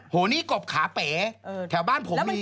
โหนี่กบขาเป๋แถวบ้านผมมี